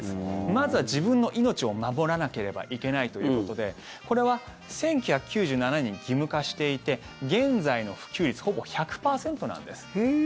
まずは自分の命を守らなければいけないということでこれは１９９７年に義務化していて現在の普及率ほぼ１００％なんです。